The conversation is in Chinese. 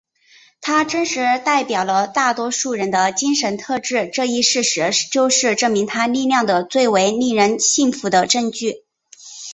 他真实代表了大多数人的精神特质这一事实就是证明他力量的最为令人信服的证据。